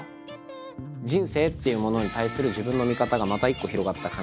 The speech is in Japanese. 人生っていうものに対する自分の見方がまた一個広がった感じがするので。